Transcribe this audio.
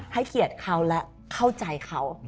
ให้เกียรติเขาและเข้าใจเขา